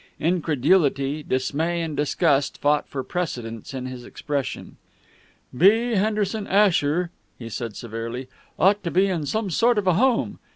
Incredulity, dismay, and disgust fought for precedence in his expression. "B. Henderson Asher," he said severely, "ought to be in some sort of a home.